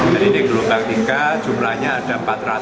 jadi di gelombang tiga jumlahnya ada empat ratus enam puluh lima